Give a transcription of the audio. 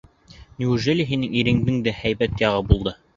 Неужели һинең иреңдең дә һәйбәт яғы булды?